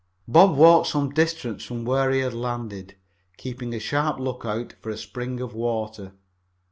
Bob walked some distance from where he had landed, keeping a sharp lookout for a spring of water.